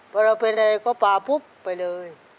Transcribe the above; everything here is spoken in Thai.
พอเราเป็นอะไรก็ปลาปุ๊บไปเลย